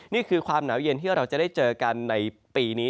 นี่คือความหนาวเย็นที่เราจะได้เจอกันในปีนี้